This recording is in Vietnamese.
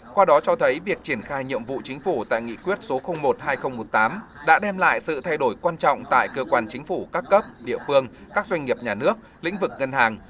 qua đó cho thấy việc triển khai nhiệm vụ chính phủ tại nghị quyết số một hai nghìn một mươi tám đã đem lại sự thay đổi quan trọng tại cơ quan chính phủ các cấp địa phương các doanh nghiệp nhà nước lĩnh vực ngân hàng